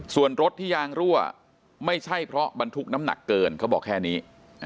ส่วนรถที่ยางรั่วไม่ใช่เพราะบรรทุกน้ำหนักเกินเขาบอกแค่นี้